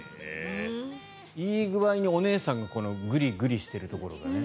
いい具合にお姉さんがグリグリしてるところがね。